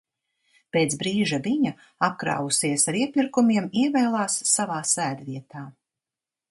Pēc brīža viņa, apkrāvusies ar iepirkumiem, ievēlās savā sēdvietā.